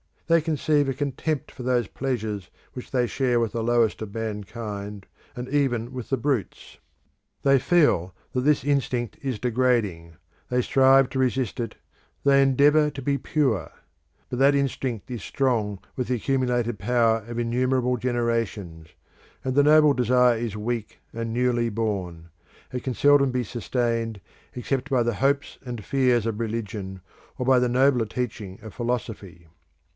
They conceive a contempt for those pleasures which they share with the lowest of mankind, and even with the brutes. They feel that this instinct is degrading: they strive to resist it; they endeavour to be pure. But that instinct is strong with the accumulated power of innumerable generations; and the noble desire is weak and newly born: it can seldom be sustained except by the hopes and fears of religion, or by the nobler teaching of philosophy.